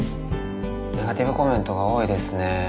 ネガティブコメントが多いですね。